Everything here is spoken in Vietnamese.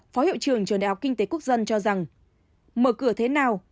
phó hiệu trưởng trường đại học kinh tế quốc dân cho rằng mở cửa thế nào